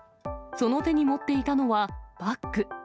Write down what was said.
その手に持っていたのは、バッグ。